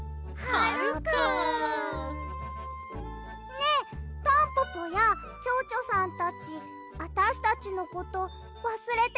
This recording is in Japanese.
ねえタンポポやチョウチョさんたちあたしたちのことわすれてないかな？